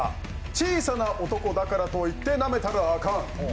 小さな男だからといってなめたらアカン。